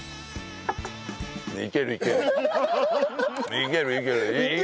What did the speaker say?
いけるいける。